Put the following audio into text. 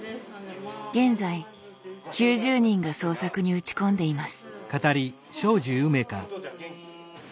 現在９０人が創作に打ち込んでいます。